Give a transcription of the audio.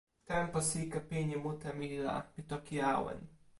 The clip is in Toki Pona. tenpo sike pini mute mi la, mi toki awen.